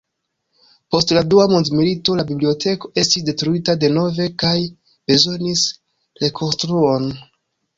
Post la Dua mondmilito, la biblioteko estis detruita denove kaj bezonis rekonstruon.